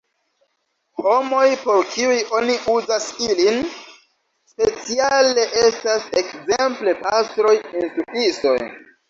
Homoj, por kiuj oni uzas ilin, speciale estas ekzemple pastroj, instruistoj.